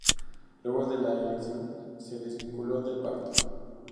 Luego de la elección se desvinculó del pacto.